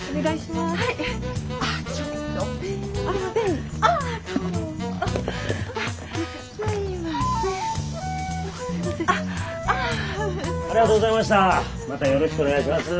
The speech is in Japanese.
またよろしくお願いします。